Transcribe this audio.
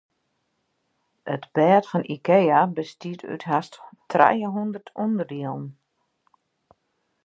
It bêd fan Ikea bestiet út hast trijehûndert ûnderdielen.